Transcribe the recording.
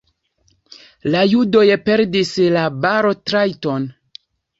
La judoj perdis la balotrajton.